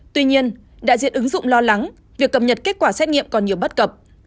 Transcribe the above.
tuy nhiên đại diện ứng dụng lo lắng việc cập nhật kết quả xét nghiệm còn nhiều bất cập